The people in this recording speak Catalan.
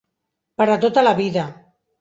Per a tota la vida.